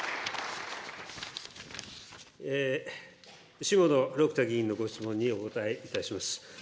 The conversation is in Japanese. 下野六太議員のご質問にお答えいたします。